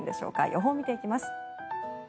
予報を見ていきます。